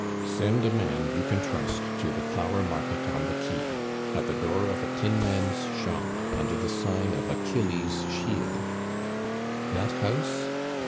"Send a man you can trust to the Flower Market on the quay. At the door of a tinman's shop, under the sign of Achilles' shield " "That house?"